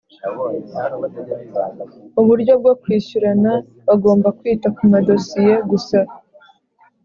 uburyo bwo kwishyurana bagomba kwita kumadosiye gusa